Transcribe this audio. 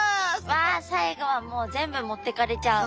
わあ最後はもう全部持ってかれちゃう。